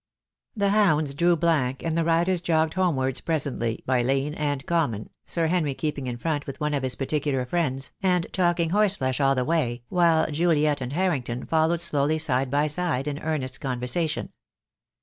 The hounds drew blank, and the riders jogged homewards presently, by lane and common, Sir Henry keeping in front with one of his particular friends, and 2 24 THE DAY WILL COME. talking horse flesh all the way, while Juliet and Harrington followed slowly side by side in earnest conversation.